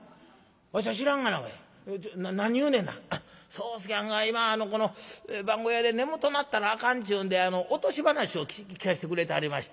「宗助はんが今この番小屋で眠とうなったらあかんっちゅうんで落とし噺を聞かせてくれてはりまして。